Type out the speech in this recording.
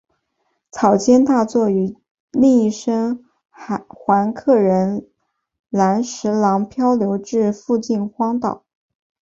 草间大作与另一生还乘客岚十郎漂流至附近荒岛。